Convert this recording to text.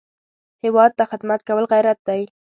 هېواد ته خدمت کول غیرت دی